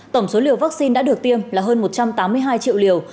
tổng số liều vaccine đã được tiêm là hơn một trăm tám mươi hai triệu liều